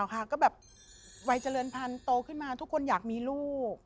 ก็แบบวัยเจริญพันธุ์โตขึ้นมาทุกคนอยากมีลูก